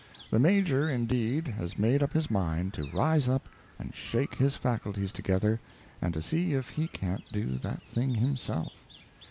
The Major, indeed, has made up his mind to rise up and shake his faculties together, and to see if_ he_ can't do that thing himself.